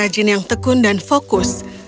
rajin yang tekun dan fokus